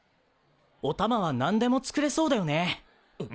・おたまは何でも作れそうだよね。